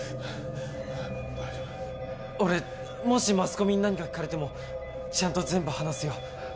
俺もしマスコミに何か聞かれてもちゃんと全部話すよ。